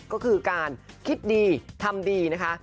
ก็คือการคิดดีทำดีนะคะ